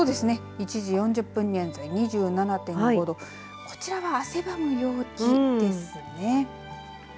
１時４０分現在２７．５度こちらは汗ばむ陽気ですね。